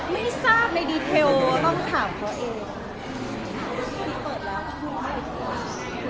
ไม่ทราบในดีเทลต้องถามเขาเอง